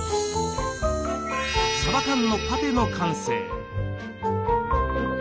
さば缶のパテの完成。